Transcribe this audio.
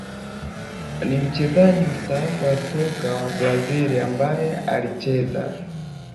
Ni mchezaji mstaafu wa soka wa Brazil ambaye alicheza